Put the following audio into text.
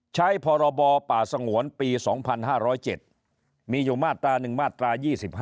พรบป่าสงวนปี๒๕๐๗มีอยู่มาตรา๑มาตรา๒๕